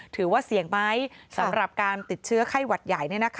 ถือว่าเสี่ยงไหมสำหรับการติดเชื้อไข้หวัดใหญ่